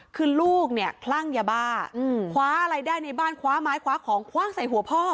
คือลูกเนี่ยคลั่งยาบ้าคว้าอะไรได้ในบ้านคว้าไม้คว้าของคว่างใส่หัวพ่อ